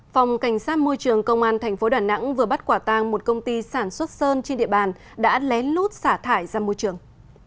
phòng cảnh sát môi trường công an thành phố đà nẵng vừa bắt quả tang một công ty sản xuất sơn trên địa bàn đã lén lút xả thải ra môi trường